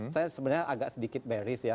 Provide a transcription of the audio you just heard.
saya sebenarnya agak sedikit baris ya